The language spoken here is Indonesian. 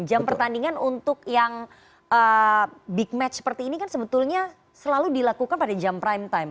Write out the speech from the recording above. jam pertandingan untuk yang big match seperti ini kan sebetulnya selalu dilakukan pada jam prime time